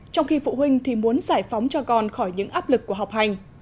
trong khi phụ huynh thì muốn giải phóng cho con khỏi những áp lực của học hành